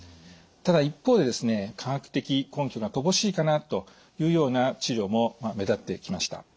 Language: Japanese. ただ一方でですね科学的根拠が乏しいかなというような治療も目立ってきました。